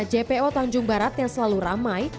jpo tanjung barat yang selalu ramai